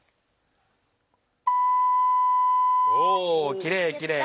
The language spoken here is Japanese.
きれいきれい。